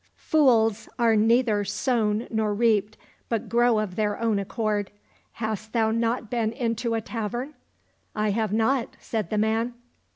Fools are neither sown nor reaped, but grow of their own accord — hast thou not been into a tavern ?"—" I have not," said the man.